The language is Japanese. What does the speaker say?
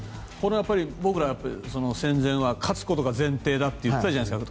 僕ら、戦前は勝つことが前提だといってたじゃないですか。